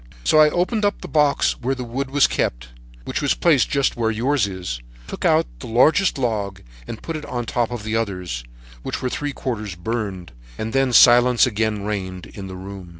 "So I opened the box where the wood was kept, which was placed just where yours is, took out the largest log and put it on top of the others, which were three parts burned, and then silence again reigned in the room.